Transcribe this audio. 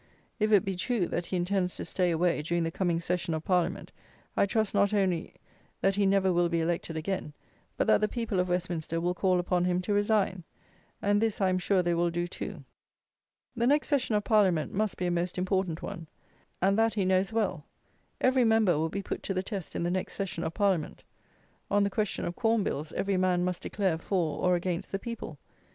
If it be true, that he intends to stay away, during the coming session of Parliament, I trust, not only, that he never will be elected again; but, that the people of Westminster will call upon him to resign; and this, I am sure they will do too. The next session of Parliament must be a most important one, and that he knows well. Every member will be put to the test in the next session of Parliament. On the question of Corn Bills every man must declare, for, or against, the people.